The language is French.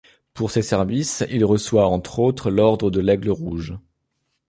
Pour ses services, il reçoit, entre autres, l'ordre de l'Aigle rouge.